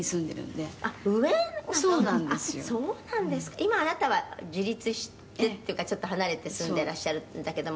「今あなたは自立してっていうかちょっと離れて住んでらっしゃるんだけども」